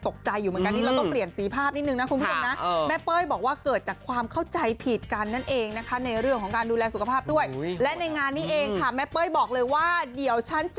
ตกใจอยู่เหมือนกันนี่